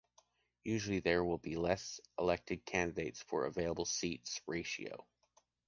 Usually there will be less elected candidates for available seats ratio.